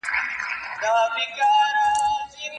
یو تصویر دی چي را اوري پر خیالونو، پر خوبونو